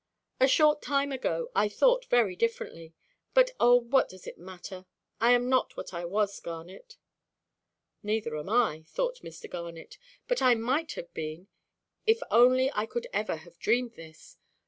A short time ago I thought very differently. But oh! what does it matter? I am not what I was, Garnet." "Neither am I," thought Mr. Garnet; "but I might have been, if only I could ever have dreamed this.